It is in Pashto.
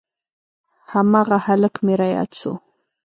هماغه هلک مې راياد سو.